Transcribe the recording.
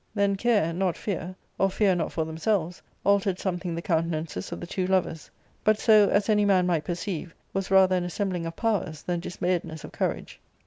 Then care, not fear, or fear not for thems€;lves, altered something the countenances of the two lovers ; but sd, as any man might perceive, was rather an assembling of powers than dismayedness of courage.